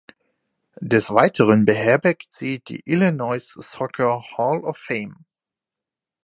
Des Weiteren beherbergt sie die Illinois Soccer Hall of Fame.